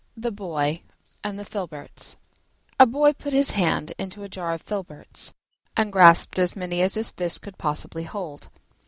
THE BOY AND THE FILBERTS A Boy put his hand into a jar of Filberts, and grasped as many as his fist could possibly hold.